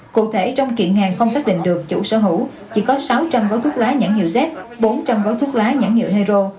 cụ thể trong kiện hàng không xác định được chủ sở hữu chỉ có sáu trăm linh gói thuốc lá nhãn hiệu z bốn trăm linh gói thuốc lá nhãn hiệu hero